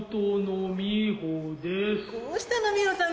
どうしたの美穂さん